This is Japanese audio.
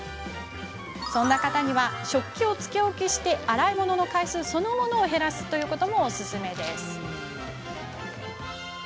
そんな方には食器をつけ置きし洗い物の回数を減らすのもおすすめです。